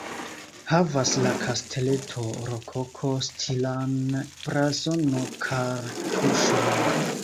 Havas la kasteleto rokoko-stilan blazono-kartuŝon.